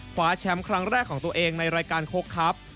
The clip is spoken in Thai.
คว้าแชมป์ครั้งแรกของตัวเองในรายการโคกครับ